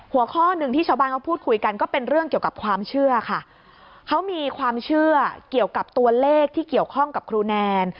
หัวข้อหนึ่งที่ชาวบ้านเขาพูดคุยกันก็เป็นเรื่องเกี่ยวกับความเชื่อค่ะเขามีความเชื่อเกี่ยวกับตัวเลขที่เกี่ยวข้องกับครูแนน